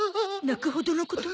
泣くほどのこと？